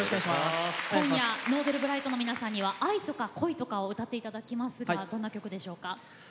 今夜Ｎｏｖｅｌｂｒｉｇｈｔの皆さんには「愛とか恋とか」を歌って頂きますがどんな曲でしょうか？